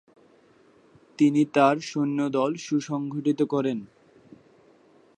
তিনি তার সৈন্যদল সুসংগঠিত করেন।